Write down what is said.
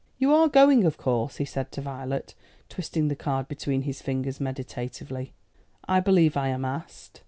"You are going, of course," he said to Violet, twisting the card between his fingers meditatively. "I believe I am asked."